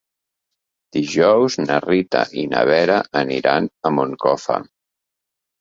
Dijous na Rita i na Vera aniran a Moncofa.